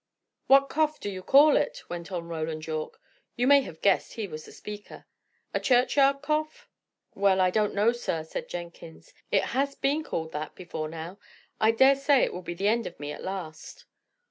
"What cough do you call it?" went on Roland Yorke you may have guessed he was the speaker. "A churchyard cough?" "Well, I don't know, sir," said Jenkins. "It has been called that, before now. I dare say it will be the end of me at last."